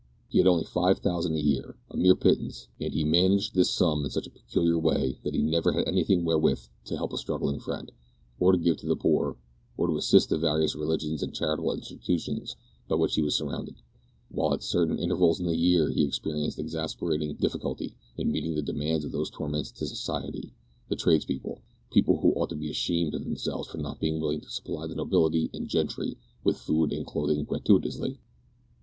He had only five thousand a year a mere pittance; and he managed this sum in such a peculiar way that he never had anything wherewith to help a struggling friend, or to give to the poor, or to assist the various religious and charitable institutions by which he was surrounded; while at certain intervals in the year he experienced exasperating difficulty in meeting the demands of those torments to society, the tradespeople people who ought to be ashamed of themselves for not being willing to supply the nobility and gentry with food and clothing gratuitously!